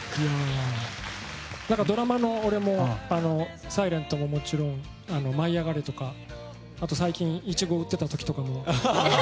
ドラマで、俺も「ｓｉｌｅｎｔ」はもちろん「舞いあがれ！」とかあと、最近のイチゴを売っている時とかも。